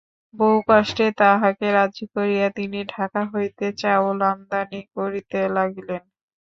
বহু কষ্টে তাঁহাকে রাজি করিয়া তিনি ঢাকা হইতে চাউল আমদানি করিতে লাগিলেন।